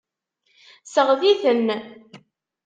Seɣti-ten.